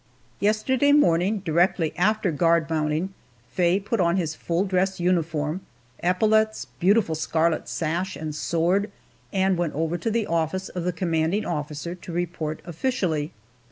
Yesterday morning, directly after guard mounting, Faye put on his full dress uniform epaulets, beautiful scarlet sash, and sword and went over to the office of the commanding officer to report officially.